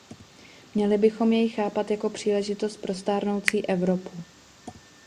Měli bychom jej chápat jako příležitost pro stárnoucí Evropu.